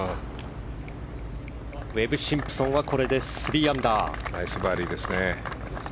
ウェブ・シンプソンはこれで３アンダー。